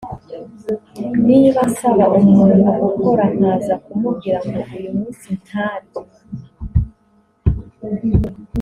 niba nsaba umuntu gukora nkaza kumubwira ngo uyu munsi ntarye